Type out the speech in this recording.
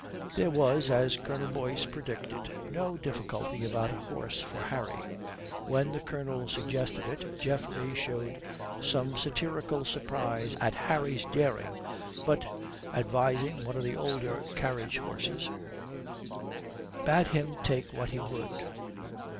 There was, as Colonel Boyce predicted, no difficulty about a horse for Harry. When the Colonel suggested it, Geoffrey showed some satirical surprise at Harry's daring, but (advising one of the older carriage horses) bade him take what he would.